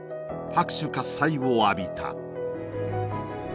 拍手喝采を浴びた。